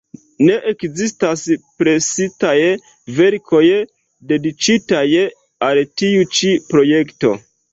Ne ekzistas presitaj verkoj, dediĉitaj al tiu ĉi projekto".